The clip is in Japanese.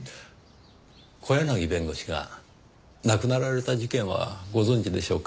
小柳弁護士が亡くなられた事件はご存じでしょうか？